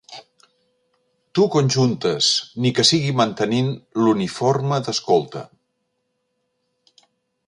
Tu conjuntes, ni que sigui mantenint l'uniforme d'escolta.